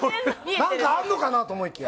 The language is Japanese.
何かあるのかなと思いきや。